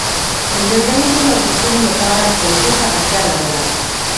د جګړه ییزو لګښتونو لپاره پیسو ته اړتیا لرله.